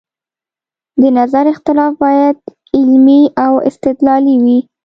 د نظر اختلاف باید علمي او استدلالي وي